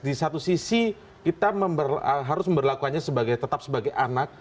di satu sisi kita harus memperlakukannya tetap sebagai anak